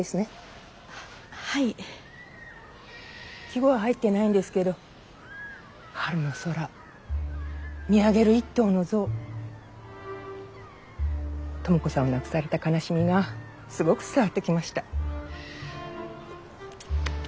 季語は入ってないんですけど春の空見上げる一頭の象知子さんを亡くされた悲しみがすごく伝わってきました。